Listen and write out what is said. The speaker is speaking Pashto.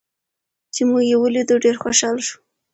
چې موږ یې ولیدو، ډېر خوشحاله شو.